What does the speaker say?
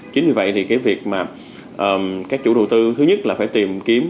chính vì vậy thì cái việc mà các chủ đầu tư thứ nhất là phải tìm kiếm